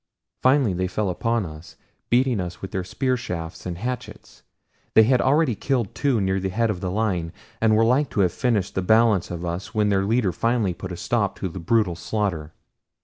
Finally they fell upon us, beating us with their spear shafts, and hatchets. They had already killed two near the head of the line, and were like to have finished the balance of us when their leader finally put a stop to the brutal slaughter.